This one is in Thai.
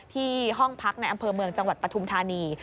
ที่ห้องพักในอำเภอเมืองจังหวัดปฐุมธานี